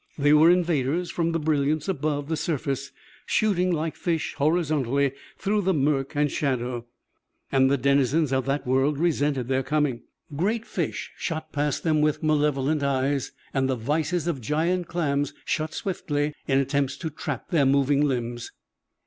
They were invaders from the brilliance above the surface, shooting like fish, horizontally, through the murk and shadow, and the denizens of that world resented their coming. Great fish shot past them with malevolent eyes, and the vises of giant clams shut swiftly in attempts to trap their moving limbs.